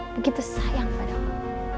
begitu sayang padaku